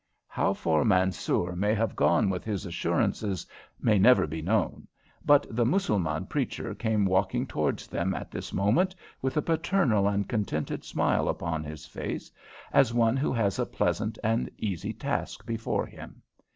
How far Mansoor may have gone with his assurances may never be known, but the Mussulman preacher came walking towards them at this moment with a paternal and contented smile upon his face, as one who has a pleasant and easy task before him.